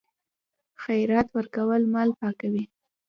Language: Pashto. خیرات ورکول مال پاکوي.